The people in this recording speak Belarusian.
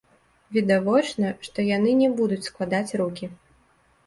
Відавочна, што яны не будуць складаць рукі.